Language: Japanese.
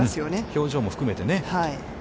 表情も含めてね。